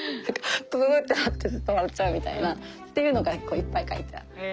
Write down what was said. プププってなってずっと笑っちゃうみたいなというのがいっぱい書いてある。